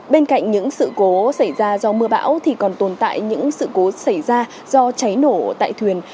bên cạnh những sự cố xảy ra do mưa bão thì còn tồn tại những sự cố xảy ra do cháy nổ tại thuyền